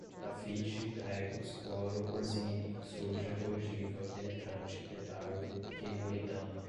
grafite, pregos, cloro, orsini, suja, ogiva, penetrante, petardo, kemuridama